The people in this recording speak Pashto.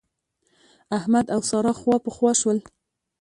احمد او سارا خواپخوا شول.